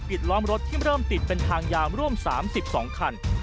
ล้อมรถที่เริ่มติดเป็นทางยาวร่วม๓๒คัน